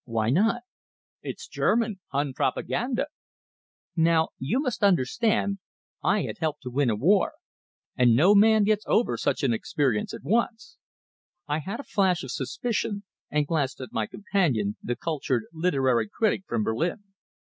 "Why not?" "It's German. Hun propaganda!" Now you must understand, I had helped to win a war, and no man gets over such an experience at once. I had a flash of suspicion, and glanced at my companion, the cultured literary critic from Berlin.